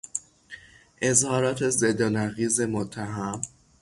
اظهارات ضد و نقیض متهم